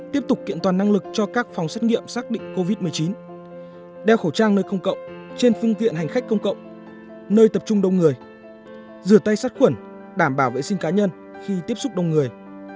tiếp tục kiện toàn năng lực cho các phòng xét nghiệm xác định covid một mươi chín đeo khẩu trang nơi công cộng trên phương tiện hành khách công cộng nơi tập trung đông người rửa tay sát khuẩn đảm bảo vệ sinh cá nhân khi tiếp xúc đông người